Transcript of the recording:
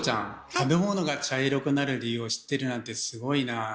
食べ物が茶色くなる理由を知ってるなんてすごいなあ。